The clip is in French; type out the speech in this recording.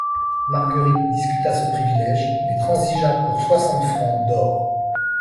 Marguerite discuta ce privilège mais transigea pour soixante francs d'or.